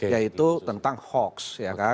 yaitu tentang hoaks